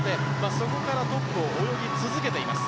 そこからトップを泳ぎ続けています。